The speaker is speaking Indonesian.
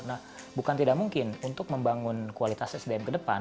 nah bukan tidak mungkin untuk membangun kualitas sdm ke depan